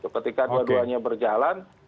ketika dua duanya berjalan